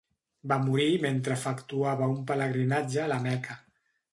Va morir mentre efectuava un pelegrinatge a la Meca.